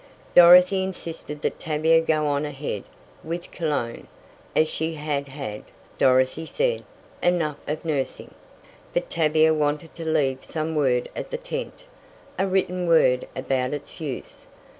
Dorothy insisted that Tavia go on ahead with Cologne, as she had had, Dorothy said, enough of nursing. But Tavia wanted to leave some word at the tent a written word about its use.